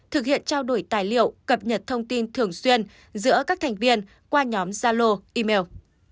thực hiện trao đổi tài liệu cập nhật thông tin thường xuyên giữa các thành viên qua nhóm zalo email